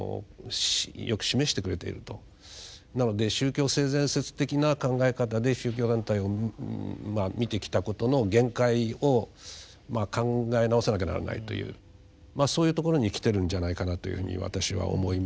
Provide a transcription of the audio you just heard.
なので宗教性善説的な考え方で宗教団体を見てきたことの限界をまあ考え直さなきゃならないというそういうところにきてるんじゃないかなというふうに私は思います。